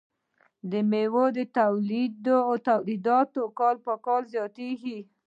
د میوو تولیدات کال په کال زیاتیږي.